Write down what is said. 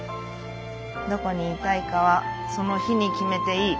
どこにいたいかはその日に決めていい。